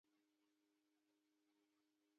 دیکتاتوري غواړي د ماشومانو ذهنونه پخپله ګټه وکاروي.